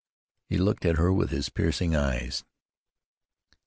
He looked at her with his piercing eyes.